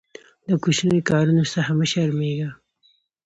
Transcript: له کوچنیو کارونو څخه مه شرمېږه.